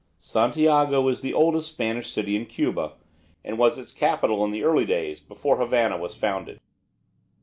Santiago is the oldest Spanish city in Cuba, and was its capital in the early days before Havana was founded.